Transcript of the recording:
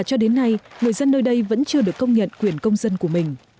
cho đến nay người dân nơi đây vẫn chưa được công nhận quyền công dân của mình